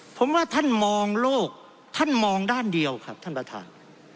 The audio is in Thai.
ผมว่าท่านมองโลกท่านมองด้านเดียวครับท่านประธาน